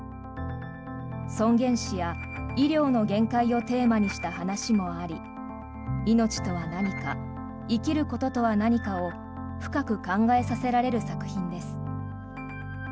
尊厳死や医療の限界をテーマにした話もあり命とは何か生きることとは何かを深く考えさせられる作品です。